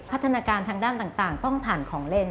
พัฒนาการทางด้านต่างต้องผ่านของเล่น